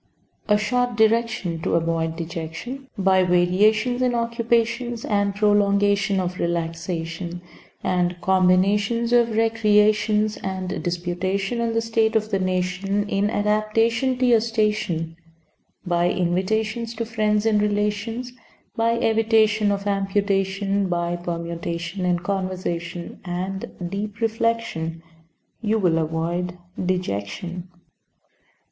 3 Autoplay A short direction To avoid dejection, By variations In occupations, And prolongation Of relaxation, And combinations Of recreations, And disputation On the state of the nation In adaptation To your station, By invitations To friends and relations, By evitation Of amputation, By permutation In conversation, And deep reflection You'll avoid dejection.